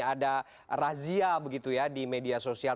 ada razia begitu ya di media sosial